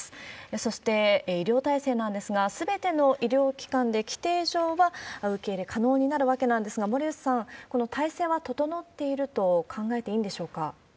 そして、医療体制なんですが、すべての医療機関で規程上は受け入れ可能になるわけなんですが、森内さん、この体制は整っていると考えていいんでしょうか？